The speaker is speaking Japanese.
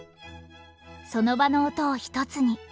その場の音を１つに。